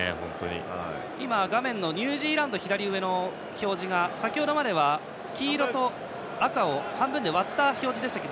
ニュージーランドの左上の画面表示が先程まで黄色と赤を半分で割った表示でしたが